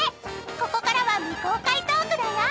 ［ここからは未公開トークだよ］